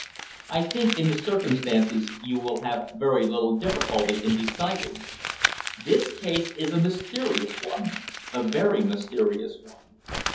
I think in the circumstances you will have very little difficulty in deciding. The case is a mysterious one a very mysterious one.